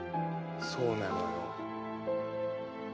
そうなのよ。